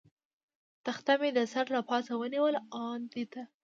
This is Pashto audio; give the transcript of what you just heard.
تخته مې د سر له پاسه ونیول، آن دې ته.